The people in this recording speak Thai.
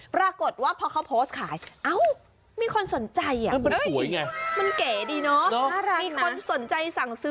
ประกดว่าเพราะเค้าโพสต์ขายมีคนสนใจ